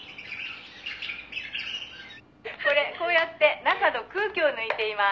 「これこうやって中の空気を抜いています」